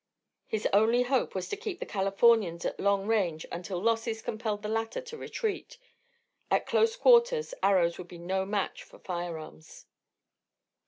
His only hope was to keep the Californians at long range until losses compelled the latter to retreat: at close quarters arrows would be no match for firearms.